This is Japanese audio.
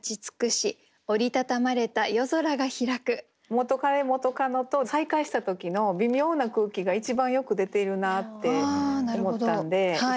元カレ・元カノと再会した時の微妙な空気が一番よく出ているなって思ったんで一席にしました。